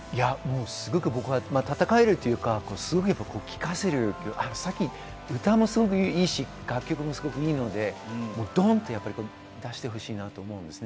すごく僕は戦えるというか、すごく聴かせる歌もすごくいいし、楽曲もすごくいいので、ドンっと出してほしいなと思います。